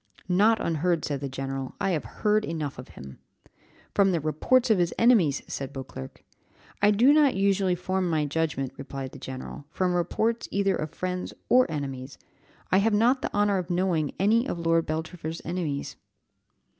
"Not unheard," said the general, "I have heard enough of him." "From the reports of his enemies," said Beauclerc. "I do not usually form my judgment," replied the general, "from reports either of friends or enemies; I have not the honour of knowing any of Lord Beltravers' enemies."